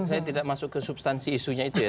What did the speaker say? saya tidak masuk ke substansi isunya itu ya